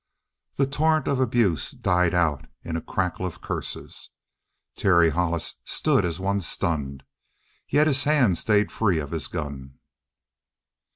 The torrent of abuse died out in a crackle of curses. Terry Hollis stood as one stunned. Yet his hand stayed free of his gun.